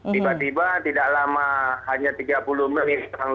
tiba tiba tidak lama hanya tiga puluh menit